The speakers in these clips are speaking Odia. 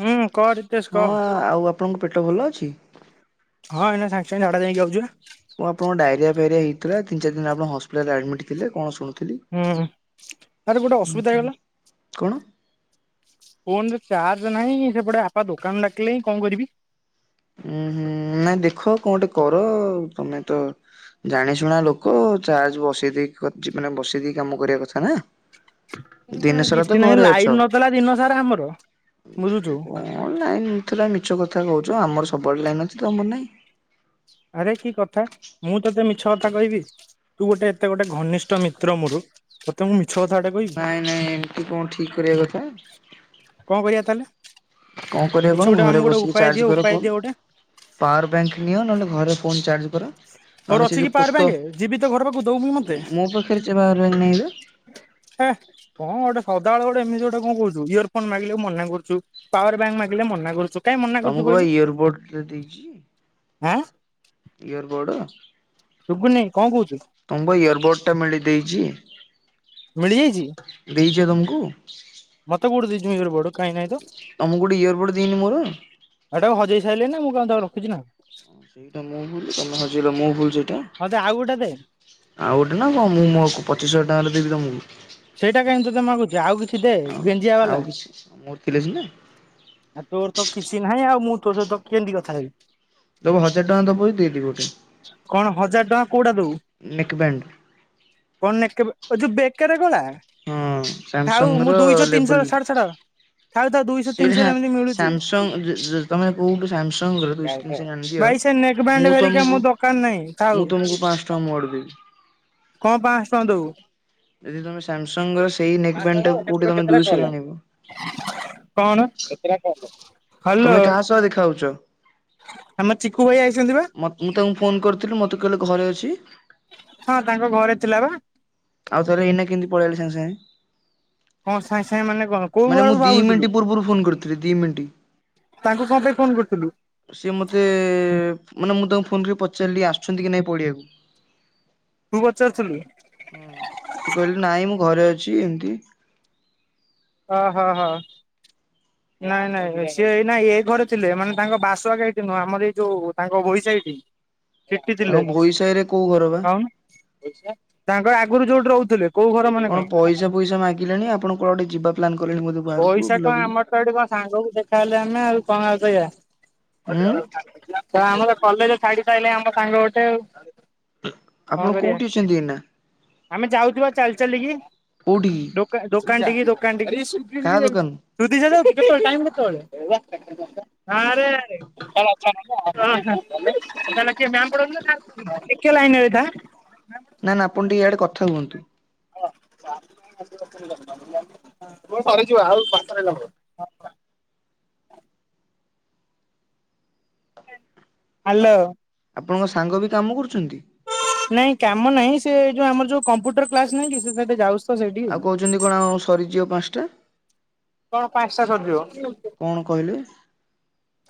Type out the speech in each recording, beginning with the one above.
ହୁଁ କହ ରିତେଶ କହ ହଁ ଆଉ ଆପଣଙ୍କର ପେଟ ଭଲ ଅଛି। ହଁ ଏଇନା ସାଙ୍ଗ ସାଙ୍ଗ ଝାଡା ଯାଇକି ଆଉଛୁ। କଣ ଆପଣଙ୍କ ଡଇରିଆ ଫାଇରିୟା ହେଇଥିଲା ତିନି ଚାର ଦିନ ଆପଣ ହସପିଟାଲରେ ଆଡମିଡି ଥିଲେ କଣ ଶୁ ହୁଁ ଆରେ ଗୋଟେ ଅସୁବିଧା ହେଇଗଲା। କଣ ଫୋନରେ ଚାର୍ଜ ନାହିଁ ସେପଟେ ବାପା ଦୋକାନ ଡାକିଲେ ହିଁ କଣ କରିବି? ହୁଁ ହୁଁ ନାଇଁ ଦେଖ କଣ ଗୋଟେ କର ତମେ ତ ଜାଣିଶୁଣା ଲୋକ ଚାର୍ଜ ବସେଇ ଦେଇ ଚି ମାନେ ବସେଇ ଦେଇକି କାମ କରିବା କଥା ନା। ଦିନ ସାରା ତ କିଛି ନାହିଁ ଘରେ ଅଛ। ଲାଇନି ନଥିଲା ଦିନ ସାରା ଆମର। ବୁଝୁଛୁ କଣ ଲାଇନ୍ ନଥିଲା ମିଛ କଥା କହୁଛ। ଆମର ସବୁଆଡ଼େ ଲାଇନ୍ ଅଛି ତ ଆମର ନାହିଁ। ଆରେ କି କଥା ମୁଁ ତୋତେ ମିଛ କଥା କହିବି? ତୁ ଗୋଟେ ଏତେ ଗୋଟେ ଘନିଷ୍ଠ ମିତ୍ର ମୋର। ତତେ ମୁଁ ମିଛ କଥା ନାଇଁ ନାଇଁ ଏମିତି କଣ ଠିକ କରିବା କଥା। କଣ କରିବା ତାହେଲେ? କଣ କରିବା କିଛି କଣ ଗୋଟେ ଘରେ ଆମକୁ ଗୋଟେ ବସିକି ଉପାୟ ଦିଅ ଚାର୍ଜ କର ଉପାୟ ଫୋନ୍। ଦିଅ ଗୋଟେ ପାୱାର ବ୍ୟାଙ୍କ ନିଅ ନହେଲେ ଘରେ ଫୋ ଚାର୍ଜ ତୋର ନହେଲେ ସେ ଅଛି କି ଯୋଉ ପାୱାର କୋତ ବ୍ୟାଙ୍କ ଯିବି ତୋ ଘର ପାଖକୁ ଦବୁ ମତେ ମୋ ପାଖରେ ସେ [inaudible] ନାଇଁ ବା। ହେ କଣ ଗୋଟେ ସଦାବେଳେ ଗୋଟେ ଏମିତି ଗୋଟେ କଣ କହୁଛୁ ଇୟର ଫୋନ ମାଗିଲେ ମନା କରୁଛୁ। ପାୱାର ବ୍ୟାଙ୍କ ମାାଗିଲ ମନା କରୁଛୁ। କାଇଁ ମନା କରୁଛୁ ତମକୁ ବା କହିଲୁ ଇୟରବୋର୍ଡ ଟେ ଦେଇଛି ଆଁ ଇୟରବୋର୍ଡ। ସୁବୁନି କଣ କହୁଛୁ? ତୁମକୁ ଇୟରବୋର୍ଟଟା ମିଳି ଦେଇଛି। ମିଳିଯାଇଛି। ଦେଇଛି ବା ତମକୁ। ମତ କୁଉଠୀ ଦେଇଚୁ ମ ଇଆରବୋର୍ଡ। ତମକୁ ଗୋଟେ ଇୟରପୋର୍ଟ ଦେଇନି ମୋର? ହେଇଟାକୁ ହଜେଇ ସାରିଲି ନା ମୁଁ କଁରେ ରଖଛି ନା। ସେଇଟା ମୁଁ ଭୁଲ ତମେ ହଜିଲ ମୁଁ ଭୁଲ ସେଇଟା। ହ ଯେ ଆଉ ଗୋଟେ ଦେ। ଆଉ ଗୋଟେ ନା କଣ ମୁଁ ମୋ ପଚିଶ ହଜାର ଟଙ୍କାରେ ଦେବି ତମକୁ। ସେଇଟା କାଇ ତୋତେ ମାଗୁଛ ଆଉ କିଛି ଦେ ଆଉ ଗେଞ୍ଜିଆ ଆଉ ବାଲା। କିଛି ମୋର ଥିଲେ ସିନା ଆଉ ତୋର ତ କିଛି ନାହିଁ ଆଉ ମୁଁ ତୋ ସହିତ କେମିତି କଥା ହେବି? ଦବୁ ହଜାର ଟଙ୍କା ଦବୁ ଯଦି ଦେଇଦେବି ଗୋଟେ କଣ ହଜାର ଟଙ୍କା କୋଉଟା ଦବୁ ନେକ୍ ବ୍ୟାଣ୍ଡ। କଣ ନ କେ ଯୋଉ ବେକାର ଗଳା। ହଁ ଥାଉ ସାମସଙ୍ଗ ମୁଁ ର ଦୁଇଶହ ତିନିଶହ ଲେବୁଲ ଛାଡ ଛାଡ ଥାଉ ଥାଉ ଦୁଇଶହ ତିନିଶହ ସେଇଟା ଏମିତି ମିଳୁଛି ସାମସଙ୍ଗ ଯୁ ଯୁ ତମେ କୋଉଠୁ ସାମସଙ୍ଗ ର ଦୂ [unintelligible] ଭାଇ ସେ ନେକ୍ ବ୍ୟାଣ୍ଡ ମୁଁ ହେରିକା ମୋ ତମକୁ ଦରକାର ନାହିଁ ଥାଉ ମୁଁ ତମକୁ ପାଂଶ ଟଙ୍କା ମୋଆଡୁ ଦେବୀ। କଣ ପାଂଶ ଟଙ୍କା ଦବୁ? ଯଦି ତମେ ସାମସଙ୍ଗ ର ସେଇ ନେକ୍ ବ୍ୟାଣ୍ଡା ଟା କଉଠି ତମେ ଦୁଇଶହରେ ଆଣିବ। କଣ [inaudible] ହ୍ୟାଲୋ ତମେ କାହା ସହ ଦେଖା ହଉଛ? ଆମ ଚିକୁ ଭାଇ ଆଇଛନ୍ତି ବା। ମତ ମୁଁ ତାଙ୍କୁ ଫୋନ କରିଥିଲି ମୋତେ କହିଲେ ଘରେ ଅଛି। ହଁ ତାଙ୍କ ଘରେ ଥିଲା ବା। ଆଉଥରେ ଏଇନା କିନ୍ତି ପଳେଇଲେ ସାଙ୍ଗେ ସାଙ୍ଗେ। କଣ ସାଙ୍ଗେ ସାଙ୍ଗେ ମାନେ କଣ କୋଉ ମାନେ ମୁଁ ଘରକୁ ଦି ଭାବୁଥିଲୁ ମିନିଟ ପୂର୍ବରୁ ଫୋନ କରିଥିଲି ଦି ମିନିଟ। ତାଙ୍କୁ କଣ ପାଇଁ ଫୋନ କରିଥିଲୁ? ସିଏ ମୋତେ ମାନେ ମୁଁ ତାଙ୍କୁ ଫୋନ କରି ପଚାରିଲି ଆସୁଛନ୍ତି କି ନାଇଁ ପଡିଆକୁ। ତୁ ପଚାରୁ ଥିଲୁ? ହୁଁ ସିଏ କହିଲେ ନାଇଁ ମୁଁ ଘରେ ଅଛି ଏମତି। ଅ ହ ହ। ହଁ ନାଇଁ ନାଇଁଁ ସିଏ ଏଇନା ଏ ଘରେ ଥିଲେ ମାନେ ତାଙ୍କ ବାସକେ ଏଇଠି ନୁହଁ ଆମର ଏଇ ଯୋଉ ତାଙ୍କ ଗୋହି ସାଇଟି। ସେଟି ତାଙ୍କ ଥିଲେ ଭୋଇ ସାହି ରେ କୋଉ ଘର ବା? କଉନୁ ତାଙ୍କର ଆଗୁରୁ ଯୋଉଟି ରହୁଥିଲେ। କୋଉ ଘର ମାନେ କଣ ପଇସା ପଇସା ମାଗିଲେଣି ଆପଣ କୁଆଡେ ଯିବା ପ୍ଲାନ କଲେଣି ବୋଧେ। ବାହାରକୁ ପଇସା କଣ ବୁଲାବୁଲି। ଆମର ତ ଏଠି କଣ ସାଙ୍ଗକୁ ଦେଖାହେଲେ ଆମେ ଆଉ କଣ ଆଉ କହିବା। ହୁଁ [unintelligible] ଆମର କଲେଜ ଛାଡି ସାଇଲଇଁ ଆମ ସାଙ୍ଗ ଗୋଟେ ଆଉ। କଣ ଆପଣ କରିବା କୋଉଟି ଅଛନ୍ତି ଏଇନା? ଆମେ ଯାଉଥିବା ଚାଲି ଚାଲିକି କୋଉଠି କି? ଦୋକା ଦୋକାନ ଠିକି ଦୋକାନ ଠିକି। କାହା [unintelligible] ଦୋକାନରୁ ଟାଇମ୍ କେତେବଳେ ଆରେ ଆରେ। ନା ନା କିଏ ମ୍ୟାମ୍ ପଢଉଥିଲେ ନା ଟିକେ ଲାଇନରେ ରହି ଥା। ନା ନା ଆପଣ ଟିକେ ଇଆଡେ କଥା ହୁଅନ୍ତୁ। [unintelligible] ସରିଯିବ ଆଉ [unintelligible] ହାଲୋ। ଆପଣଙ୍କ ସାଙ୍ଗ ବି କାମ କରୁଛନ୍ତି। ନାଇଁ କାମ ନାଇଁ ସେ ଯୋଉ ଆମର ଯୋଉ କମ୍ପୁଟର କ୍ଲାସ ନୁହେଁ କି ସେ [unintelligible] ଯାଉଚି ତ ସେଇଟିକି। ଚନ୍ତି କଣ ଆଉ ସରିଯିବ ପାଞ୍ଚଟା। ହଁ ପାଞ୍ଚଟା ସରିଯିବ। କଣ କହିଲେ?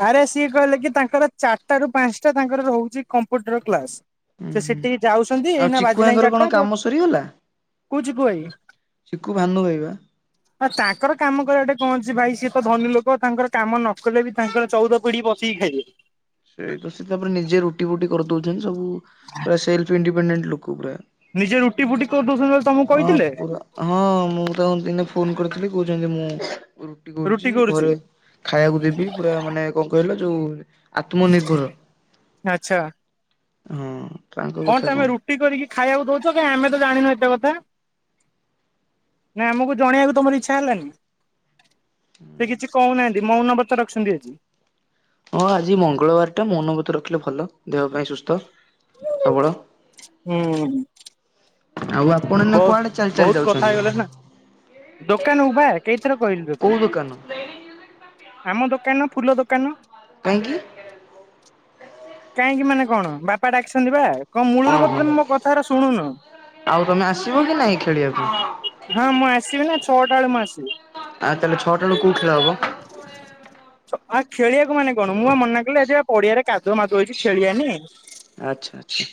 ଆରେ ସିଏ କହିଲେ କି ତାଙ୍କର ଚାରଟାରୁ ପାଞ୍ଚଟା ତାଙ୍କର ରହୁଚି କମ୍ପୁଟର କ୍ଲାସ। ହୁଁ ସେ ହୁଁ ସେଟିକି ଯାଉସନ୍ତି ଆଉ ଏଇନା ଚିକୁ ବାଜିଲାଇଁ ଭାଇଙ୍କର କଣ ଚାରଟା ତ କାମ ସରିଗଲା? କୋଉ ଚିକୁ ଭାଇ ସିକୁ ଭାନୁ ଭାଇ ବା। ଆ ତାଙ୍କର କାମ କରିଆ ଠେଇ କଣ ଅଛି ଭାଇ ସିଏ ତ ଧନୀ ଲୋକ ତାଙ୍କର କାମ ନ କଲେ ବି ତାଙ୍କର ଚଉଦ ପିଢି ବସିକି ଖାଇବେ। ସେଇ ତ ସେ ତାପରେ ନିଜେ ରୁଟି ଫୁଟି କରିଦଉଛନ୍ତି ସବୁ ସେଲ୍ଫ ଇଣ୍ଡିପେଡେଣ୍ଡ ଲୋକ ପୁରା। ନିଜେ ରୁଟି ଫୁଟି କରି ଦଉସନ୍ତି [unintelligible] ତମୁକୁ ହଁ କହିଥିଲେ? ପୁରା ହଁ ମୁଁ ତାଙ୍କୁ ଦିନେ ଫୋନ କରିଥିଲି କହୁଛନ୍ତି ମୁଁ ରୁଟି କରୁଚି ଘରେ ଖାଇଆକୁ ଦେବି ପୁରା ମାନେ କଣ କହିଲ ଯୋଉ ଆତ୍ମନିର୍ଭର ଆଚ୍ଛା ହଁ ତାଙ୍କ କଥା କଣ? ଟି କରିକି ଖାଇଆକୁ ଦଉଚ କାଇଁ ଆମେ ତ ଜାଣିନୁ ଏତେ କଥା। ନା ଆମୁକୁ ଜଣେଇଆକୁ ତମର ଇଚ୍ଛା ହେଲାନି। ସେ କିଛି କହୁନାହାଁନ୍ତି ମୌନବତ ରଖିସନ୍ତି ଆଜି। ହଁ ଆଜି ମଙ୍ଗଳବାର ଟା ମୌନବତ ରଖିଲେ ଭଲ। ଦେହ ପାଇଁ ସୁସ୍ଥ ସବଳ ହୁଁ ଆଉ ଆ ପଣ ଏଇନା ବହୁତ କୁଆଡେ ଚାଲି ଚାଲି ଯାଉଛନ୍ତି? ଦୋକାନୁକୁ ବା କେଇଥର କହିଲି ତତେ। କୋଉ ଦୋକାନ ଆମ ଦୋକାନ ଫୁଲ ଦୋକାନ। କାହିଁକି? କାହିଁକି ମାନେ କଣ ବାପା ଡାକିସନ୍ତି ବା। କଣ ମୂଳୁରୁ ବୋଧ ଓହୋ ହୁଏ ମୋ କଥା ଏରା ଶୁଣୁନ। ଆଉ ତମେ ଆସିବ କି ନାଇଁ ଖେଳିବାକୁ ହଁ ମୁଁ ଆସିବି ନା ଛଅଟା ବେଳେ ମୁଁ ଆସିବି। ଆଉ ତାହେଲେ ଛଅଟା ବେଳୁକୁ କୋଉ ଖେଳ ହବ? ଆ ଖେଳିଆକୁ ମାନେ କଣ ମୁଁ ବା ମନାକଲି ଆଜି ବା ପଡିଆରେ କା ଦୁଅ ମାଦୁଅ ହେଇଚି ଖେଳିଆନି। ଆଛା ଆଚ୍ଛା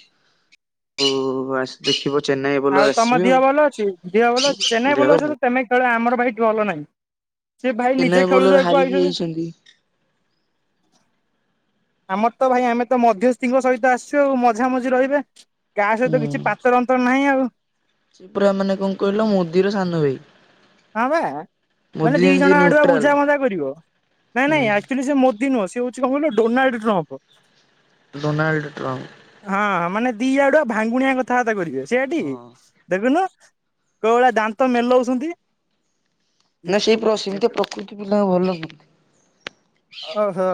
ଆଉ ଆସ ଦେଖିବ ଚେନ୍ନାଇ ଆଉ ବୋଲର ତମ ଆସିବେ ଦିହ ଭଲ ଅଛି ଦିହ ଭଲ ଅଛି ଚେନ୍ନାଇ ଆଉ ଭଲ ଦେହ ଅଛ ତ ତମେ ଖେଳ ଆମର ଭାଇ ଦେହ ଭଲ ନାହିଁ ସେ ଭାଇ ନିଜେ ଚେନ୍ନାଇ ବୋଲର ଖେଳୁଆକୁ ହାରିକି ଆଇଛନ୍ତି। ଯାଇଛନ୍ତି ଆମର ତ ଭାଇ ଆମେ ତ ମଧ୍ୟସ୍ତିଙ୍କ ସହିତ ଆସିଛୁ ଆଉ ମଝାମଝି ରହିବେ। କାହା ହୁଁ। ସହିତ କିଛି ପାତର ଅନ୍ତର ନାହିଁ ଆଉ। ସେ ପୁରା ମାନେ କଁ କହିଲ ମୋଦିର ସାନ ଭାଇ। ହଁ ବା ମୋଦି ମାନେ ଦି ଯେମିତି ଜଣ ଆଡୁଆ ନ୍ୟୁଟ୍ରାଲ ବୁଝା ମୁଝା କରିବ। ନାଇଁ ନାଇଁ ହୁଁ। ଆକ୍ଚୁଆଲି ସେ ମୋଦ ନୁହଁ ସେ ହଉଛି କଁ କହିଲ ଡୋନଲ୍ଡ ଟ୍ରମ୍ପ। Donald Trump. ହଁ ମାନେ ଦିଆଡୁଆ ଭାଙ୍ଗୁଣିଆ କଥାବାର୍ତ୍ତା କରିବେ ସେଇଆ ଟି। ହଁ ଦେଖୁନୁ କୋଉ ଭଳିଆ ଦାନ୍ତ ମେଲଉଛନ୍ତି। ନା ସେଇ ପ୍ର ସେମତିଆ ପ୍ରକୃତି ପିଲା ଭଲ ନୁହୁନ୍ତି। ଓ ହୋ।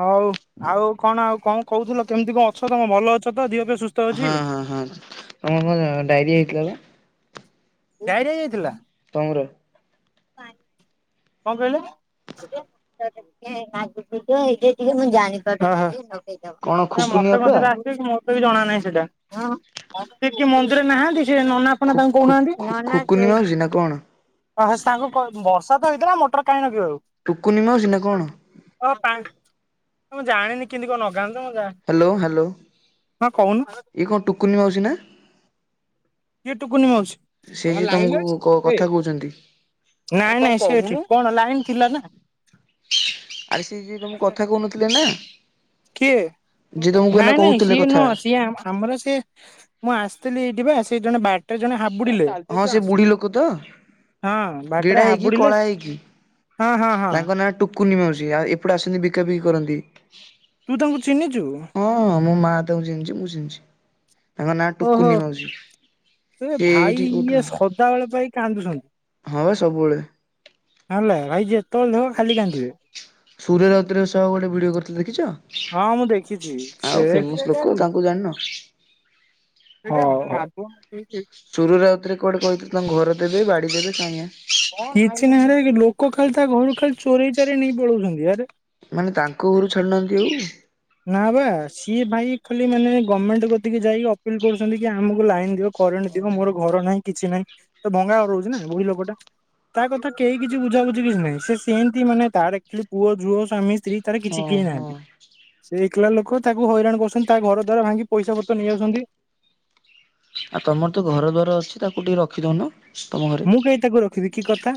ହଉ ଆଉ କଣ ଆଉ କଁ କହୁଥିଲ କେମିତି କଁ ଅଛ ତମ ଭଲ ଅଛ ତ ଧିଅ ଫିଅ ସୁସ୍ ହଁ ହଁ ହଁ ତମର କଁ ଡାଇରିଆ ହେଇଥିଲା ବା। ଡାଇରିଆ ହେଇ ଯାଇଥିଲା। ତମର। କଁ କହିଲ। [unintelligible] କଣ ଖୁକୁନି ଅପା [unintelligible] ଖୁ ଖୁ [unintelligible] ଖୁ ଖୁକୁନି ମାଉସୀ ନା କଣ? [unintelligible] ଟୁକୁନି ମାଉଛି ନା କଣ। [unintelligible] ହାଲୋ ହାଲୋ ହଁ କହୁନ ଇଏ କଣ ଟୁକୁନି ମାଉସି ନା। କିଏ ଟୁକୁନି ମାଉସୀ? ସେ ଯିଏ ଲାଇନ ତମକୁ ଅଛି କ କଥା କହୁଛନ୍ତି। ନାଇଁ ନାଇଁ। ଆରେ ସିଏ ତମକୁ କଥା କହୁ ନଥିଲେ ଏଇନା। କିଏ ନାଇଁ ନାଇଁ କହୁଥିଲେ ସିଏ କଥା। ନୁହଁ ସିଏ ଆ ଆମର ସିଏ ମୁଁ ଆସିଥିଲି ଏଇଠି ବା ସେ ଜଣେ ବାଟରେ ଜଣେ ହାବୁଡିଲେ। ହଁ ସେ ବୁଢୀ ଲୋକ ତ ବାଟରେ ଗେଢା ହେଇକି ହାବୁଡିଲେ କଳା ହେଇକି। ହଁ ହଁ ହଁ ତାଙ୍କ ନାଁ ଟୁକୁନି ମାଉସୀ ଆଉ ଏପଟେ ଆସନ୍ତି ବିକା ବିକି କରନ୍ତି। ତୁ ତାଙ୍କୁ ଚିହ୍ନିଛୁ। ହଁ ମୋ ମା ତାଙ୍କୁ ଜିଣିିଛି ମୁଁ ଜିଣିିଛି। ତାଙ୍କ ନା ଓହୋ ଟୁକୁନି ମାଉଛି ସିଏ ଏଇଠି। କୋଉଠି ରହନ୍ତି କାନ୍ଦୁୁଛନ୍ତି। ହଁ ବା ସବୁବେଳେ। ହେଲା ଭାଇ ଯେତେବେଳେ ଦେଖିବ ଖାଲି କାନ୍ଦିବେ। ସୂର ରାଉତୁ ରାଏ ସହ ଗୋଟେ ଭିଡ଼ିଓ କରିଥିଲେ ଦେଖିଛ। ହଁ ମୁଁ ଦେଖିଛି ଆଉ ସେ ଫେମସ ଲୋକ ତାଙ୍କୁ ଜାଣିନ? ହ ଉଁ। ସୁରୁ ରାଉତ ରାଏର କୁଆଡେ କହିଥିଲେ ତାଙ୍କୁ ଘର ଦେବେ ବାଡି ଦେବେ କାଇଁ ନାଇଁ। କିଛି ନାଁଇ ରେ ଇଏ ଲୋକ ଖାଲି ତା ଘରୁ ଖାଲି ଚୋରେଇ ଚୋରେଇ ନେଇ ପଳଉଛନ୍ତି ଆରେ। ମାନେ ତାଙ୍କ ଘରୁ ଛାଡିୁନାହାନ୍ତି ଆଉ। ନା ବା ସିଏ ଭାଇ ଖାଲି ମାନେ ଗମେଣ୍ଟ କତିକି ଯାଇକି ଅପିଲ କରୁଛନ୍ତି କି ଆମକୁ ଲାଇନ ଦିଅ। କରେଣ୍ଟ ଦିଅ ଓହୋ। ମୋର ଘର ନାହିଁ କିଛି ନାହିଁ ସେ ଭଙ୍ଗା ଘରେ ରହୁଛି ନା ବୁଢୀ ଲୋକଟା। ତା କଥା କେହି କିଛି ବୁଝା ବୁଝି କିଛି ନାହିଁ ସେମିତି ମାନେ ତାର ଆକଚୁଲି ପୁଅ ଝୁଅ ସ୍ବାମୀ। ସ୍ତ୍ରୀ ତାର କିଛି ହଁ କେହୀ ହଁ ନାହାନ୍ତି। ସେ ଏକଲା ଲୋକ ତାକୁ ହଇରାଣ କରୁଛନ୍ତି ତା ଘର ଦ୍ଵାରା ଭାଙ୍ଗି ପଇସା ପତ୍ର ନେଇ ଯାଉଛନ୍ତି। ଆଉ ତମର ତ ଘର ଦ୍ୱାର ଅଛି ତାକୁ ଟିକେ ରଖିଦିଉନ ତମ ଘରେ। ମୁଁ କାହିଁ ତାକୁ ରଖିବି କି କଥା।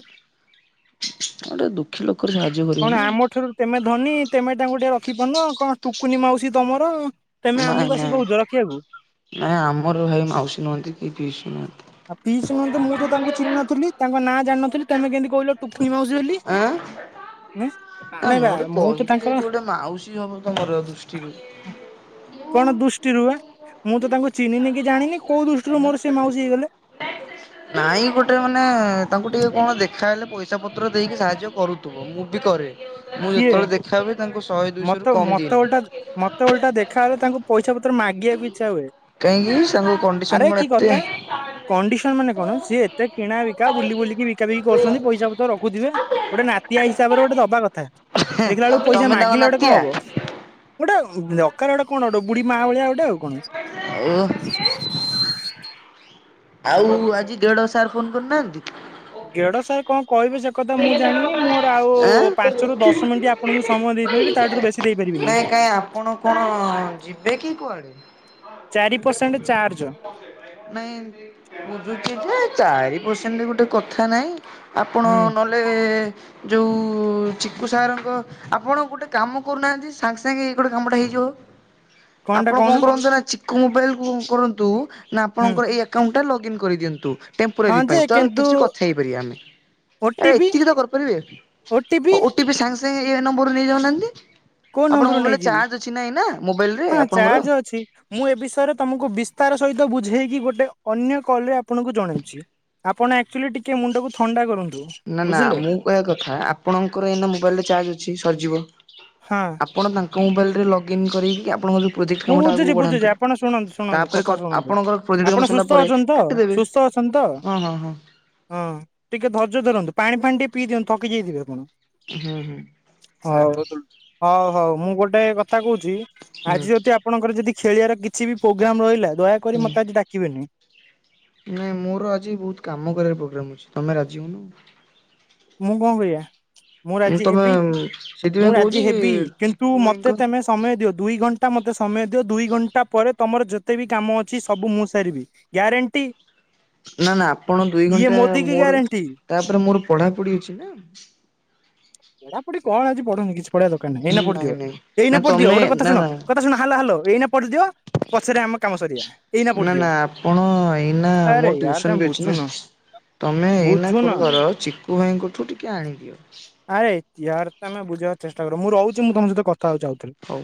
ଗୋଟେ ଦୁଃଖୀ ଲୋକର ଭା କଣ ଆମ ଠାରୁ ତେମେ ଧନୀ ତେମେ ତାଙ୍କୁ ଟିକେ ରଖି ପାରୁନ କଣ ଟୁକୁନି ମାଉସୀ ତମର। ତେମେ ନାଇଁ ଆମକୁ ନାଇଁ ଆସିକି କହୁଛ ରଖିବାକୁ। ନାଇଁ ଆମରି ଭାଇ ମାଉସୀ ନୁହନ୍ତି କି ପିଉସୀ ନୁହନ୍ତି। ଆଉ ପିସ୍ ନୁହନ୍ତୁ ମୁଁ ତ ତାଙ୍କୁ ଚିହ୍ନଥିଲ ତାଙ୍କ ନାଁ ଜାଣିନଥିଲି ତମେ କେମିତି କହିଲ ଟୁକୁନି ମାଉସି ବୋଲି ଆଁ ନା ନାଇଁ ବା ଗୋଟେ ମୁଁ କହିଲି ତ ତାଙ୍କ ଯେହେତୁ ଗୋଟେ ମାଉସୀ ହବ। ତମର ଦୃଷ୍ଟିରୁ। କଣ ଦୃଷ୍ଟିରୁୁବା ମୁଁ ତ ତାଙ୍କୁ ଚିହ୍ନିନି କି ଜାଣିନି କୋଉ ଦୃଷ୍ଟିରୁ ମୋର ସେ ମାଉସୀ ହେଇଗଲେ। ମାକ ନାଇଁ ଗୋଟେ ମାନେ ତାଙ୍କୁ ଟିକେ କଣ ଦେଖାହେଲେ ପଇସା ପତ୍ର ଦେଇକି ସାହାଯ୍ୟ କରୁଥିବ ମୁଁ ବି କରେ। ମୁଁ କିଏ ଯେତେବେଳେ ଦେଖାହୁଏ ତାଙ୍କୁ ଶହେ ଦୁଇଶହ ମତେ ରୁ କମ ମତେ ଦିଏ ଓଲଟା ନି। ମତେ ଓଲଟା ଦେଖାହେଲେ ତାଙ୍କୁ ପଇସା ପତ୍ର ମାଗିବାକୁ ଇଚ୍ଛା ହୁଏ। କାହିଁକି ସାଙ୍କ ଆରେ କଣ୍ଡିସନ କଣ କି ଏତେ। କଥା କଣ୍ଡିସନ ମାନେ କଣ ସିଏ ଏତେ କିଣା ବିକା ବୁଲି ବୁଲିକି କିଣା ବିକି କରୁଛନ୍ତି ପଇସା ପତର ରଖୁଥିବେ। ଗୋଟେ ନାତିଆ ହିସାବରେ ଗୋଟେ ଦବା କଥା ଦେଖିଲା ବେଳକୁ ପଇସା ତମେ ତାଙ୍କ ମାଗିଲେ ଗୋଟେ କଣ ନାତିଆ? ହବ। ଗୋଟେ [unintelligible] କଣ ଗୋଟେ ବୁଢୀ ମା ଭଳିଆ ଗୋଟେ ଆଉ କଣ। ଓ ଆଉ ଆଜି ଦେଢ ସାର ଫୋନ କରିନାହାନ୍ତି? ଗେଡ ସାର୍ କଣ କହିବେ ସେ କଥା ମୁଁ ଜାଣିନି ମୋର ଆଉ ଆଁ? ପାଞ୍ଚରୁ ଦଶ ମିନିଟ୍ ଆପଣଙ୍କୁ ସମୟ ଦେଇପାରିବି ତାଠାରୁ ବେଶୀ ଦେଇପାରିବିନି। ନାଇଁ କାଇଁ ଆପଣ କଣ ଯିବେ କି କୁଆଡେ? ଚାରି ପରସେଣ୍ଟ ଚାର୍ଜ। ନାଇଁ ବୁଝୁଛି ଯେ ଚାରି ପରସେଣ୍ଟ ଗୋଟେ କଥା ନାଇଁ ଆପଣ। ହୁଁ କଲେ ଯଉ ଚିକୁ ସାରଙ୍କ। ଆପଣ ଗୋଟେ କାମ କରୁନାହାନ୍ତି ସାଙ୍ଗେ ସାଙ୍ଗେ ଏଇ ଗୋଟେ କାମଟେ ହେଇଯିବ। କଣଟା ଆପଣ କଣ କହୁନ କରନ୍ତୁ ନା ଚିକୋ ମୋବାଇଲ କୁ କରନ୍ତୁ ନା ହୁଁ ଆପଣଙ୍କର ଏଇ ଆକାଉଣ୍ଟଟା ଲଗ ଇନ୍ କରିଦିଅନ୍ତୁ ତେମ୍ପ୍ରାରି ହଁ ଯେ ପାଇଁ ତ କିନ୍ତୁ କିଛିଟା କଥା ହେଇପାରିବା ଆମେ। ଆରେ ଓଟିପି ଏତିକି ତ ଓଟିପି କରିପାରିବେ ଓ ଟି ପି ସାଙ୍ଗେ ସାଙ୍ଗେ ଏଇ ନମ୍ବରରେ ନେଇଯାଉନାହାନ୍ତି। କୋଉ ଆପଣଙ୍କ ନମ୍ବରରୁ ମୋବାଇଲ ରେ ନେଇଯିବି? ଚାର୍ଜ ଅଛି ନା ଏଇନା ମୋବାଇଲ ରେ ହଁ ଆପଣଙ୍କର। ଚାର୍ଜ ଅଛି ମୁଁ ଏ ବିଷୟରେ ତମକୁ ବିସ୍ତାର ସହିତ ବୁଝେଇକି ଗୋଟେ ଅନ୍ୟ କଲରେ ଆପଣଙ୍କୁ ଜଣଉଛି ଆପଣ ଆକଚୁଆଲି ଟିକେ ମୁଣ୍ଡକୁ ଥଣ୍ଡା କରନ୍ତୁ। ନା ନା ବୁଝିଲେ ମୁଁ କହିବା କଥା ଆପଣଙ୍କର ଏଇନା ମୋବାଇଲରେ ଚାର୍ଜ ଅଛି ସରି ଯିବ। ହଁ। ଆପଣ ତାଙ୍କ ମୋବାଇଲରେ ଲଗ୍ଇନ୍ କରିକି ଆପଣଙ୍କ ଯଉ ମୁଁ ବୁଝୁଛି ବୁଝୁଛି ଆପଣ ଶୁଣନ୍ତୁ ଶୁଣନ୍ତୁ ତାପରେ କ କଥା ଶୁଣନ୍ତୁ ଆପଣଙ୍କର ପ୍ରୋଜେକ୍ଟ କାମ ଆପଣ ସରିଲା ସୁସ୍ଥ ପରେ ଅଛନ୍ତି ତ କାଟିଦେବେ ସୁସ୍ ସ୍ଥ ଅଛନ୍ତି ତ। ହଁ ହଁ ହଁ। ହଁ ଟିକେ ଧର୍ଯ୍ୟ ଧରନ୍ତୁ ପାଣି ଫାଣି ଟିକେ ପିଇ ଦିଅନ୍ତୁ ଥକି ଯାଇଥିବେ ଆପଣ। ହୁଁ ହୁଁ ହଉ ହଉ ହଉ ମୁଁ ଗୋଟେ କଥା କହୁଛି ଆଜି ଯ ଆପଣଙ୍କର ଯଦି ଖେଳିବାର କିଛି ବି ପ୍ରୋଗ୍ରାମ ରହିଲା ଦୟାକରି ହୁଁ। ମତେ ଆଜି ଡାକିବେନି। ନାଇଁ ମୋର ଆଜି ବହୁତ କାମ କରିବାର ପ୍ରୋଗ୍ରାମ ଅଛି ତମେ ରାଜି ହଉନ। ମୁଁ କଣ କରିବା ମୁଁ ରାଜି ହେବି ମୁଁ ସେଥିପାଇଁ କହୁଛି ରାଜି ହେବି କିନ୍ତୁ ଚିକୁ ଭାଇଙ୍କ ମତେ ତମେ ସମୟ ଦିଅ ଦୁଇ ଘଣ୍ଟା ମତେ ସମୟ ଦିଅ ଦୁଇ ଘଣ୍ଟା ପରେ ତମର ଯେତେ ବି କାମ ଅଛି ସବୁ ମୁଁ ସାରିବି। ଗ୍ୟାରେଣ୍ଟି। ନା ନା ଆପଣ ଦୁଇ ଇଏ ଘଣ୍ଟା ମୋଦି କି ମୋର ଗ୍ୟାରେଣ୍ଟି। ତାପରେ ମୋର ପଢା ପଢି ଅଛି ନା। ପଢାପଢ଼ି କଣ ଆଜି ପଢ଼ନି କି ବଢ଼ିଆ ଦୋକାନ ହୁଁ ଏଇନା ନାଇଁ ପଡିଥିବ ନାଇଁ ନା ଏଇନା ପଡିଥିବ ତମେ ଗୋଟେ କଥା ନା ଶୁଣ ନା କଥା ଶୁଣ ହାଲ ହାଲ ଏଇନେ ପଡିଥିବ। ନା ନା ଆପଣ ଏଇନା ମୁଁ ଆରେ ୟାର ଟିଉସନ୍ ତମେ ବି ଅଛି ନା। ବୁଝୁନ ତମେ ଏଇନା ବୁଝୁନ କଣ କର ଚିକୁୁ ଭାଇଙ୍କଠୁ ଟିକେ ଆଣି ଦିଅ। ଆରେ ୟାର ତମେ ବୁଝିବାକୁ ଚେଷ୍ଟା କର ମୁଁ ରହୁଚି ମୁଁ ତମ ସହିତ କଥା ହଉଚି ଆଉ ଥରେ। ହଉ।